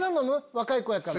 若い子やから。